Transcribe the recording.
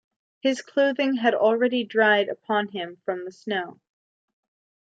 His clothing had already dried upon him from the snow.